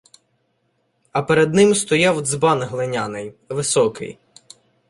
А перед ним стояв дзбан глиняний, високий.